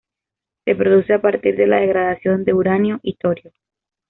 Se produce a partir de la degradación de uranio y torio.